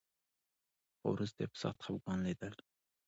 خو وروسته یې په سخت خپګان لیدل